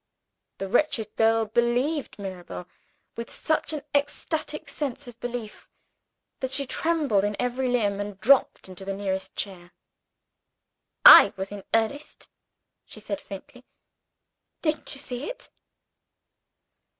The wretched girl believed Mirabel with such an ecstatic sense of belief that she trembled in every limb, and dropped into the nearest chair. "I was in earnest," she said faintly. "Didn't you see it?"